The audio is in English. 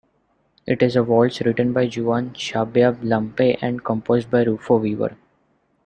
It is a waltz written by Juan Chabaya Lampe and composed by Rufo Wever.